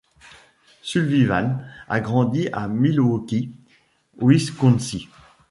Sullivan a grandi à Milwaukee, Wisconsin.